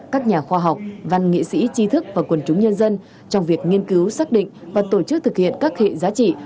các nhà khoa học văn nghệ sĩ chi thức và quần chúng nhân dân trong việc nghiên cứu xác định và tổ chức thực hiện các hệ giá trị